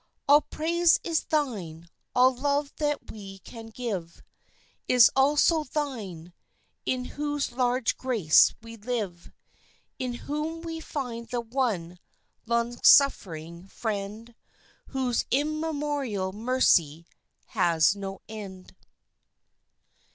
All praise is Thine all love that we can give Is also Thine, in whose large grace we live, In whom we find the One long suffering Friend, Whose immemorial mercy has no end.